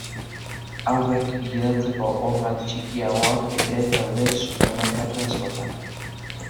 Haurrek gidatzeko orga txikiagoak ere daude supermerkatu askotan.